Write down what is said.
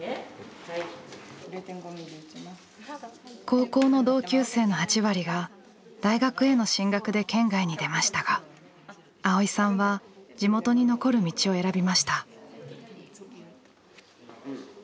高校の同級生の８割が大学への進学で県外に出ましたが蒼依さんは地元に残る道を選びました。